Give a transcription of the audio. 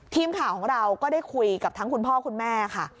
ทีมข่าวของเราก็ได้คุยกับทั้งคุณพ่อคุณแม่ค่ะ